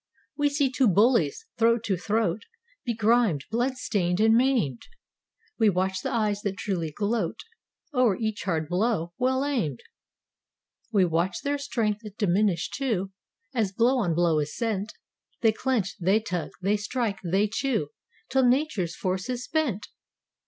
We see two bullies, throat to throat. Begrimed, blood stained and maimed; We watch the eyes that truly gloat O'er each hard blow, well aimed. We watch their strength diminish, too. As blow on blow is sent— 'They clench, they tug, they strike, they chew 'Till Nature's force is spent.